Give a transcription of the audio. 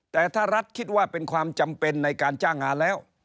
แต่ถ้ารัฐคิดว่าเป็นความจำเป็นในการจ้างงานแล้ว